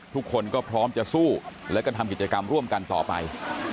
ทุกคนก็พร้อมจะสู้และก็ทำกิจกรรมร่วมกันต่อไป